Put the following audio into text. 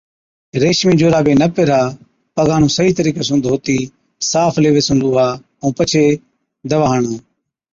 ريشمِي جورابي نہ پيهرا، پگان نُون صحِيح طرِيقي سُون ڌوتِي صاف ليوي سُون لُوها ائُون پڇي دَوا هڻا۔